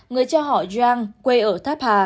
người cha họ zhang quê ở tháp hà